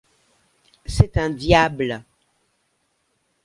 C’est un diable !